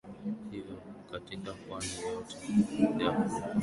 Hivyo katika pwani yote ya Afrika mashariki sehemu hii ndio ikawa kiini na kitovu